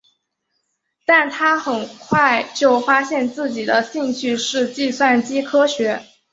但他很快就发现自己的兴趣是计算机科学。